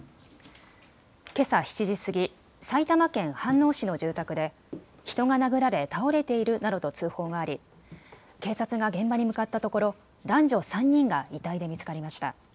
けさ７時過ぎ、埼玉県飯能市の住宅で人が殴られ倒れているなどと通報があり警察が現場に向かったところ男女３人が遺体で見つかりました。